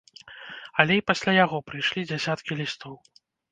Але і пасля яго прыйшлі дзясяткі лістоў.